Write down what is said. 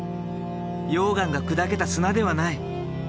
溶岩が砕けた砂ではない。